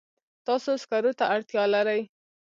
تاسو سکرو ته اړتیا لرئ.